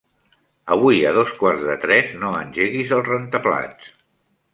Avui a dos quarts de tres no engeguis el rentaplats.